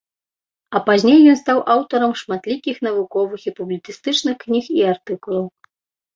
А пазней ён стаў аўтарам шматлікіх навуковыя і публіцыстычных кніг і артыкулаў.